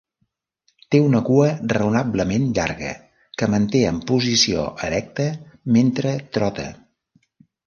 Té una cua raonablement llarga, que manté en posició erecta mentre trota.